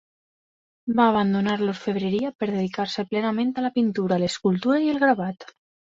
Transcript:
Va abandonar l'orfebreria per dedicar-se plenament a la pintura, l'escultura i el gravat.